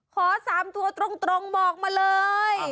ขอ๓ตัวตรงบอกมาเลย